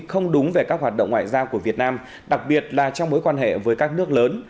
không đúng về các hoạt động ngoại giao của việt nam đặc biệt là trong mối quan hệ với các nước lớn